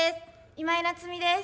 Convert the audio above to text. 今井菜津美です。